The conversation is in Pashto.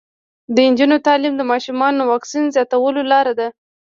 د نجونو تعلیم د ماشومانو واکسین زیاتولو لاره ده.